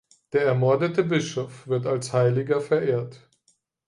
Der ermordete Bischof wird als Heiliger verehrt.